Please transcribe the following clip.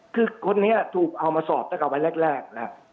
คือคนนี้ถูกเอามาสอบตั้งแต่วันแรกนะ